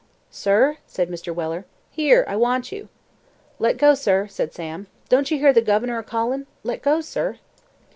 "Sir?" said Mr. Weller. "Here. I want you." "Let go, sir," said Sam. "Don't you hear the governor a callin'? Let go, sir!"